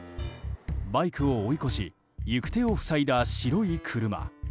バイクを追い越し行く手を塞いだ白い車。